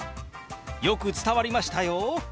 よく伝わりましたよ！